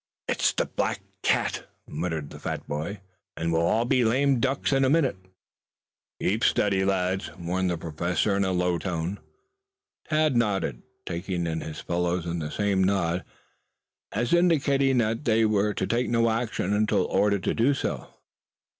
"It's the black cat," muttered the fat boy. "And we'll all be lame ducks in a minute." "Keep steady, lads," warned the Professor in a low tone. Tad nodded, taking in his fellows in the same nod as indicating that they were to take no action until ordered to do so.